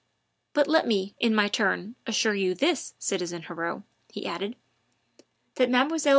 "But let me, in my turn, assure you of this, citizen Heriot," he added, "that Mlle.